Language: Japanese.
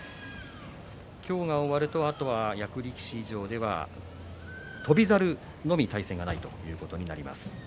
今日が終わるとあとは役力士以上では、翔猿のみ対戦がないということになります。